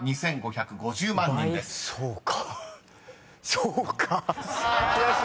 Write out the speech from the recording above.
そうか！